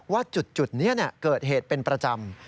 ว่าจุดนี้เกิดเหตุเป็นประจำ